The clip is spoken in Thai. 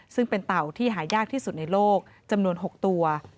ซึ่งเป็นเต่าที่หายากที่สุดในโลกจำนวน๖ตัว